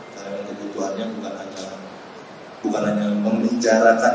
karena kebutuhannya bukan hanya memenjarakan